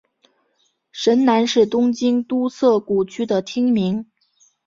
神南是东京都涩谷区的町名。